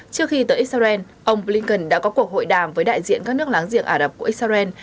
trước khi tới israel ông blinken đã có cuộc hội đàm với đại diện các nước láng giềng ả rập của israel